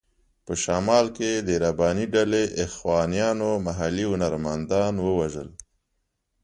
په شمال کې د رباني ډلې اخوانیانو محلي هنرمندان ووژل.